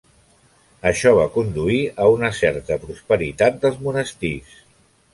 Això va conduir a una certa prosperitat dels monestirs.